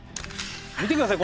見てください。